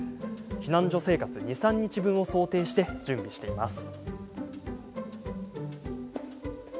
避難所生活２、３日分を想定して準備しています。